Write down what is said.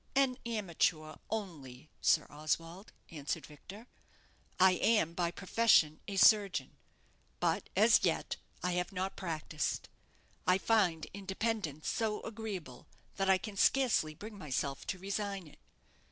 "An amateur only, Sir Oswald," answered Victor. "I am by profession a surgeon; but as yet I have not practised. I find independence so agreeable that I can scarcely bring myself to resign it.